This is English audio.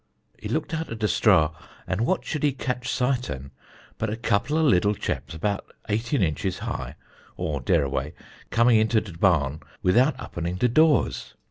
He looked out of de strah, and what should he catch sight an but a couple of liddle cheps about eighteen inches high or dereaway come into de barn without uppening the doores.